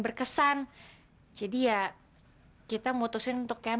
boleh ya kak boleh ya